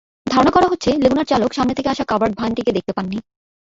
ধারণা করা হচ্ছে, লেগুনার চালক সামনে থেকে আসা কাভার্ড ভ্যানটিকে দেখতে পাননি।